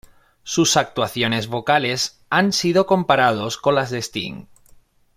Sus actuaciones vocales han sido comparados con las de Sting.